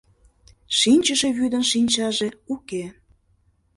Шинчыше вӱдын шинчаже уке;